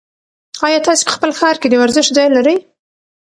ایا تاسي په خپل ښار کې د ورزش ځای لرئ؟